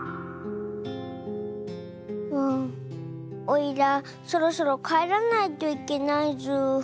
おいらそろそろかえらないといけないズー。